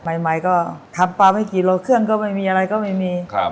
ใหม่ก็ทำบะไม่กี่โลเขื่องก็มีไม่มีอะไรก็ไม่มี